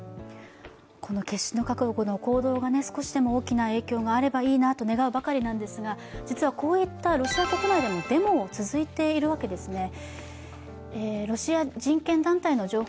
この決死の覚悟の行動が少しでも影響があればいいなと願うばかりなんですが実はこういったロシア国内でもデモ、続いているわけです。